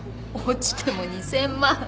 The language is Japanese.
落ちても２，０００万。